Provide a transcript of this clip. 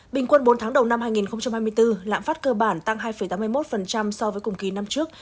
bình quân bốn tháng đầu năm hai nghìn hai mươi bốn lãm phát cơ bản tăng hai tám mươi một so với cùng kỳ năm trước